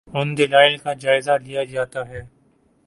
ان دلائل کا جائزہ لیا جاتا ہے۔